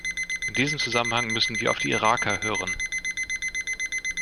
In diesem Zusammenhang müssen wir auf die Iraker hören.